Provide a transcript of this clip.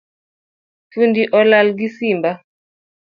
Fundi olal gi simba